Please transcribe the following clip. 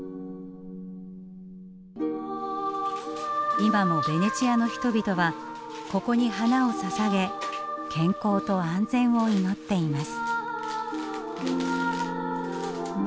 今もベネチアの人々はここに花をささげ健康と安全を祈っています。